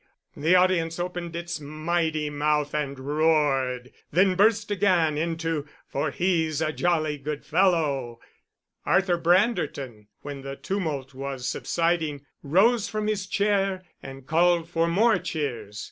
The audience opened its mighty mouth and roared, then burst again into, For he's a jolly good fellow! Arthur Branderton, when the tumult was subsiding, rose from his chair and called for more cheers.